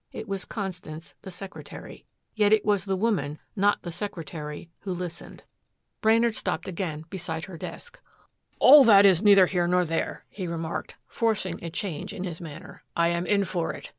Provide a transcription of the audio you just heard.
It was Constance, the secretary. Yet it was the woman, not the secretary, who listened. Brainard stopped again beside her desk. "All that is neither here nor there," he remarked, forcing a change in his manner. "I am in for it.